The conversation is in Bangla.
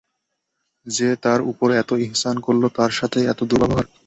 যে তার উপর এতো ইহসান করল তার সাথেই এই দুর্ব্যবহার!